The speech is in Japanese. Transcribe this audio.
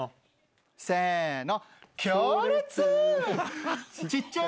せの。